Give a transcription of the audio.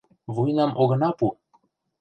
Вуйнам огына пу!